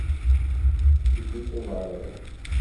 Iwwi-tt uberriḍ.